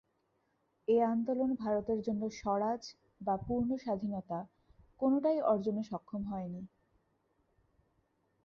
এ আন্দোলন ভারতের জন্য স্বরাজ বা পূর্ণ স্বাধীনতা কোনোটাই অর্জনে সক্ষম হয় নি।